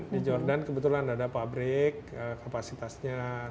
di jordan kebetulan ada pabrik kapasitasnya tiga ratus ton